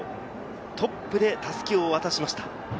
トップで襷を渡しました。